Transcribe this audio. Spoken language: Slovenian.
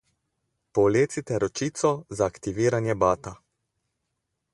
Povlecite ročico za aktiviranje bata.